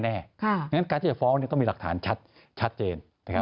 อย่างนั้นการที่จะฟ้องนี้ต้องมีหลักฐานชัดเจน